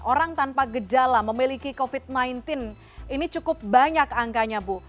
orang tanpa gejala memiliki covid sembilan belas ini cukup banyak angkanya bu